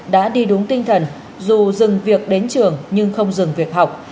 đã đi đúng tinh thần dù dừng việc đến trường nhưng không dừng việc học